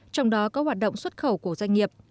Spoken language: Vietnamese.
trong đó có hoạt động xuất khẩu của doanh nghiệp